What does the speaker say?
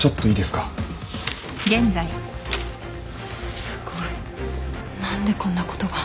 すごい。何でこんなことが。